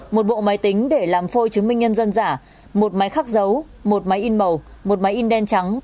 một bộ máy tính để làm phôi chứng minh nhân dân giả một máy khắc dấu một máy in màu một máy in đen trắng